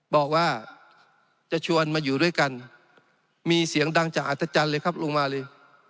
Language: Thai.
บอกว่าจะชวนมาอยู่ด้วยกันมีเสียงดังจากอัศจรรย์เลยครับลุงมาเลย